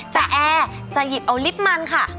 แต่แอร์จะหยิบเอาลิฟต์มันค่ะ